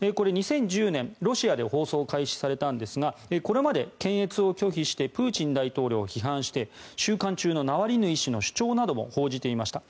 これ、２０１０年ロシアで放送開始されたんですがこれまで、検閲を拒否してプーチン大統領を批判して収監中のナワリヌイ氏の主張なども報じていました。